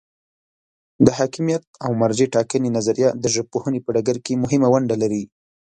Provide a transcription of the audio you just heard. د حاکمیت او مرجع ټاکنې نظریه د ژبپوهنې په ډګر کې مهمه ونډه لري.